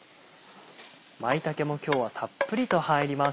舞茸も今日はたっぷりと入ります。